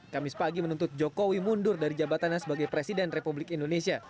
kamis pagi menuntut jokowi mundur dari jabatannya sebagai presiden republik indonesia